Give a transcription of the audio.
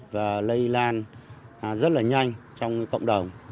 và lây lan rất là nhanh trong cộng đồng